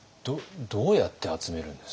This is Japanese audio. どうやって集めるんですか？